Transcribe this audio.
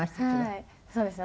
はいそうですね。